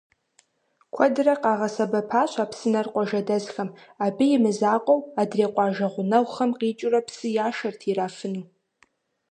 Куэдрэ къагъэсэбэпащ а псынэр къуажэдэсхэм, абы имызакъуэу, адрей къуажэ гъунэгъухэм къикӏыурэ псы яшэрт ирафыну.